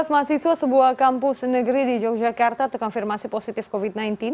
sebelas mahasiswa sebuah kampus negeri di yogyakarta terkonfirmasi positif covid sembilan belas